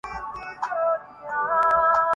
تمہی کو ڈھونڈتے تم کو پکارتے ہوئے دن